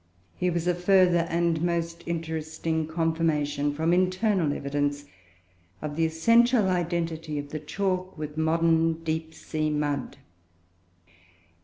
Here was a further and most interesting confirmation, from internal evidence, of the essential identity of the chalk with modern deep sea mud.